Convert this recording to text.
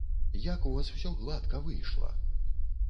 Як у вас усё гладка выйшла!